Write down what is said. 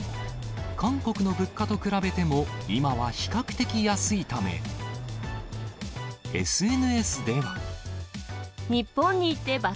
韓国の物価と比べても、今は比較的安いため、ＳＮＳでは。